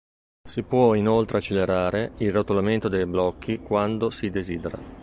Si può inoltre accelerare il rotolamento dei blocchi quando si desidera.